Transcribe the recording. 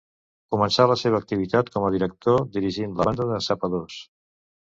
Començà la seva activitat com a director dirigint la Banda de Sapadors.